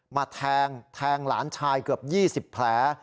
มาแทงแทงหลานชายเกือบ๒๐แผล